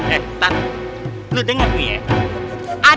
eh tar lu denger nih ya tar